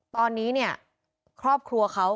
ตอนนี้เนี่ยครอบครัวเขา